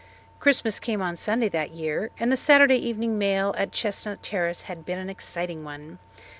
Christmas came on Sunday that year and the Saturday evening mail at Chestnut Terrace had been an exciting one.